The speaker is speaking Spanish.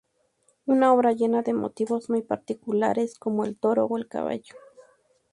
Una obra llena de motivos muy particulares como el toro o el caballo.